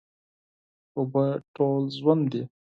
اوبه ټول ژوند دي.